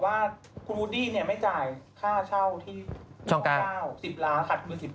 ค่าเช่าที่ช่องการ